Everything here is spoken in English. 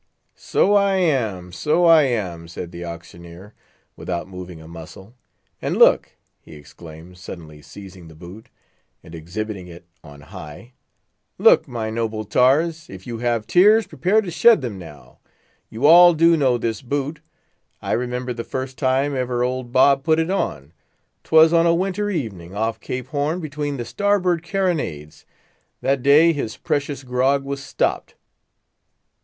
"So I am, so I am," said the auctioneer, without moving a muscle. "And look!" he exclaimed, suddenly seizing the boot, and exhibiting it on high, "look, my noble tars, if you have tears, prepare to shed them now. You all do know this boot. I remember the first time ever old Bob put it on. 'Twas on a winter evening, off Cape Horn, between the starboard carronades—that day his precious grog was stopped.